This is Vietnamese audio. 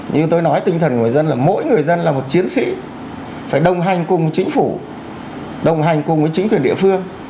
nhưng tôi nói tinh thần của dân là mỗi người dân là một chiến sĩ phải đồng hành cùng chính phủ đồng hành cùng với chính quyền địa phương